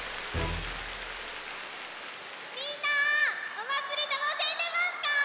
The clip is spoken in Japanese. おまつりたのしんでますか？